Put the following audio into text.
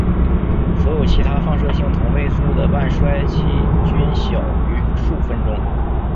所有其他放射性同位素的半衰期均小于数分钟。